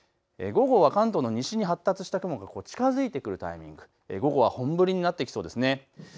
午後は関東の西に発達した雲が近づいてくるタイミング、午後は本降りになってきそうです。